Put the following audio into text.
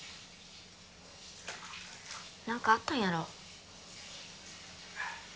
何かあったんやろ？